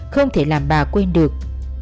không thể làm bà quên được